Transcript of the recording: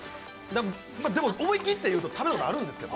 思い切って言うと食べたことあるんですけど。